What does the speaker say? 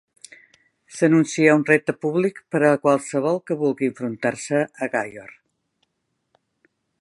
S'anuncia un repte públic per a qualsevol que vulgui enfrontar-se a Gyor.